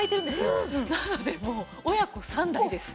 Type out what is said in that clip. なのでもう親子３代です。